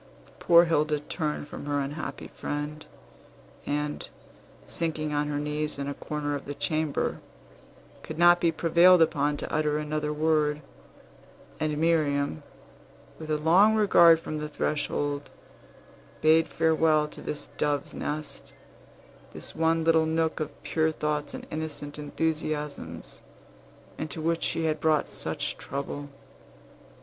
Poor Hilda turned from her unhappy friend, and, sinking on her knees in a corner of the chamber, could not be prevailed upon to utter another word. And Miriam, with a long regard from the threshold, bade farewell to this doves' nest, this one little nook of pure thoughts and innocent enthusiasms, into which she had brought such trouble.